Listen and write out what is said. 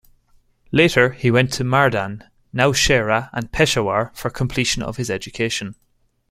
Later, he went to Mardan, Nowshehra and Peshawar for completion of his education.